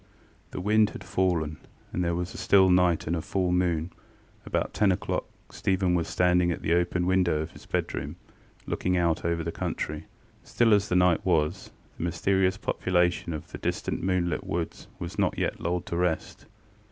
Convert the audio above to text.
The wind had fallen, and there was a still night and a full moon. At about ten oŌĆÖclock Stephen was standing at the open window of his bedroom, looking out over the country. Still as the night was, the mysterious population of the distant moon lit woods was not yet lulled to rest.